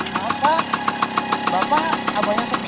bapak bapak abangnya sofia